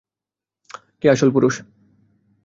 কে আসল পুরুষ?